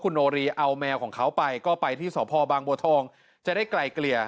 โนรีเอาแมวของเขาไปก็ไปที่สพบางบัวทองจะได้ไกลเกลี่ย